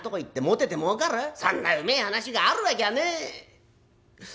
そんなうめえ話があるわきゃねえこともねえか。